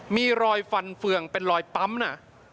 มีรอยฟันเฟืองเป็นรอยปั๊มน่ะ